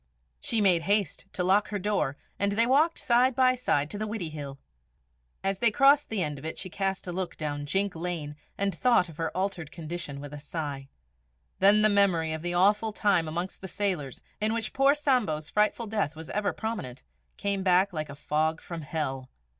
She made haste to lock her door, and they walked side by side to the Widdiehill. As they crossed the end of it she cast a look down Jink Lane, and thought of her altered condition with a sigh. Then the memory of the awful time amongst the sailors, in which poor Sambo's frightful death was ever prominent, came back like a fog from hell.